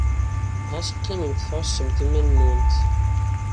Ɣas qqimemt tɛussemt iman-nwent.